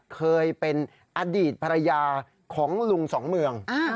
เคยเป็นอดีตภรรยาของลุงสองเมือง